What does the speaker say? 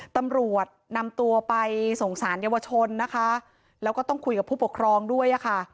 ตำรวจนำตัวไปส่งสารเยาวชนนะคะแล้วก็ต้องคุยกับผู้ปกครองด้วยค่ะ